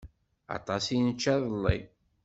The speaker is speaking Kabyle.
Aṭas i nečča iḍelli.